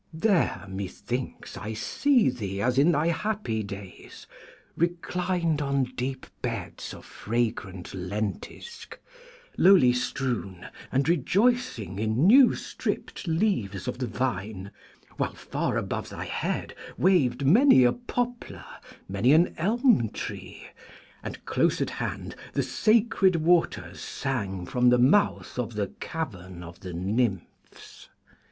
There, methinks, I see thee as in thy happy days, 'reclined on deep beds of fragrant lentisk, lowly strewn, and rejoicing in new stript leaves of the vine, while far above thy head waved many a poplar, many an elm tree, and close at hand the sacred waters sang from the mouth of the cavern of the nymphs.'